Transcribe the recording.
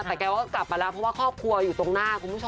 แต่แกก็กลับมาแล้วเพราะว่าครอบครัวอยู่ตรงหน้าคุณผู้ชม